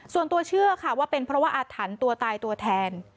ส่วนตัวเชื่อค่ะว่าเป็นเพราะว่าอาถรรพ์ตัวตายตัวแทน